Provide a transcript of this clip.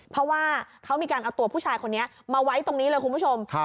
เพราะว่าเขามีการเอาตัวผู้ชายคนนี้มาไว้ตรงนี้เลยคุณผู้ชม